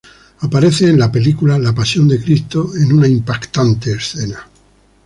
Aparece en la película La Pasión de Cristo en una impactante escena.